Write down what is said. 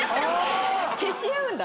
消し合うんだ。